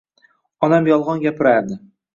Onam yolg‘on gapirardi.